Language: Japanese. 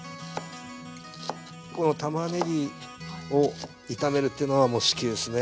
このたまねぎを炒めるっていうのはもう好きですね。